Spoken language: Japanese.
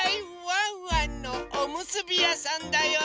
ワンワンのおむすびやさんだよ！